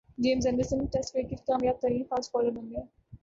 James Anderson test cricket کے کامیاب ترین فاسٹ بالر بن گئے